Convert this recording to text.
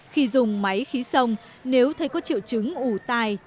khi dùng máy khí sông nếu thấy có triệu chứng ủ tài